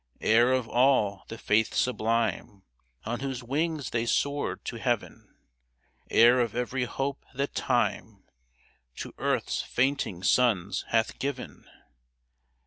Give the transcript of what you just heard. Heir of all the faith sublime On whose wings they soared to heaven ; Heir of every hope that Time To Earth's fainting sons hath given